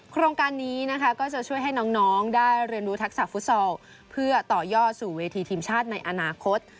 โครงการนี้นะคะก็จะช่วยให้น้องได้เรียนรู้ทักษะฟุตซอลเพื่อต่อยอดสู่เวทีทีมชาติในอนาคต